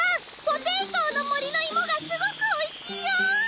ポテイトウの森の芋がすごくおいしいよ！